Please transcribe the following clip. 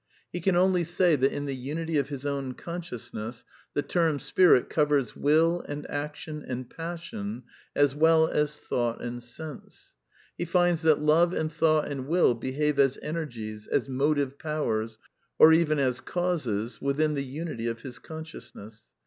He can only say that in the unity of his own consciousness the term spirit covers will and action and passion, as well as thought and sense. He finds that love and thought and will behave as ener gies, as motive powers, or even as causes, within the tmity of his consciousness.